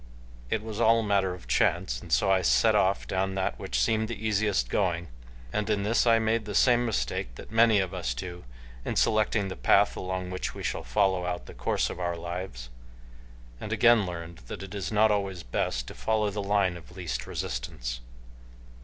It was all a matter of chance and so I set off down that which seemed the easiest going, and in this I made the same mistake that many of us do in selecting the path along which we shall follow out the course of our lives, and again learned that it is not always best to follow the line of least resistance.